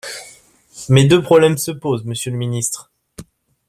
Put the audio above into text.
Mais deux problèmes se posent, monsieur le ministre.